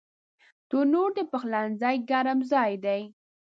تنور د پخلنځي ګرم ځای دی